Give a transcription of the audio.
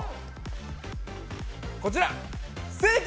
◆こちら、正解！